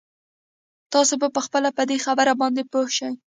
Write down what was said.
تاسې به خپله په دې خبره باندې پوه شئ.